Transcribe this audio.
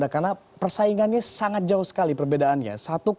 karena persaingannya sangat jauh sekali perbedaannya